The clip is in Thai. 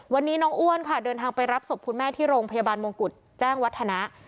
วันนี้น้องอ้วนค่ะเดินทางไปรับศพคุณแม่ที่โรงพยาบาลมงกุฎแจ้งวัฒนะ